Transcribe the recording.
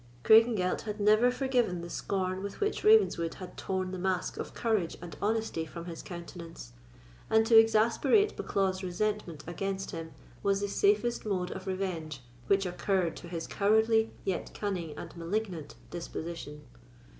Craigengelt had never forgiven the scorn with which Ravenswood had torn the mask of courage and honesty from his countenance; and to exasperate Bucklaw's resentment against him was the safest mode of revenge which occurred to his cowardly, yet cunning and malignant, disposition.